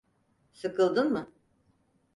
Sıkıldın mı?